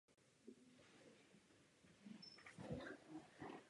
V této době se zde také stavěly mlýny.